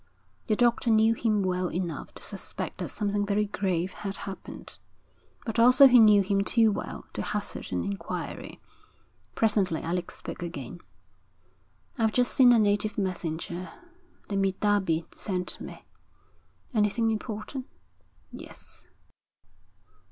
The doctor knew him well enough to suspect that something very grave had happened, but also he knew him too well to hazard an inquiry. Presently Alec spoke again. 'I've just seen a native messenger that Mindabi sent me.' 'Anything important?' 'Yes.'